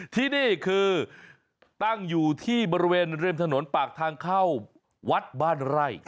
ที่นี่คือตั้งอยู่ที่บริเวณริมถนนปากทางเข้าวัดบ้านไร่